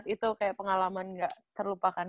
itu kayak pengalaman gak terlupakan